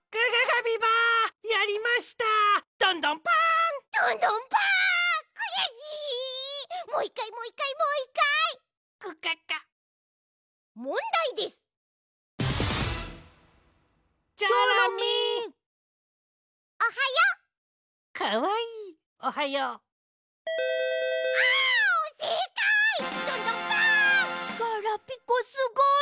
ガラピコすごい！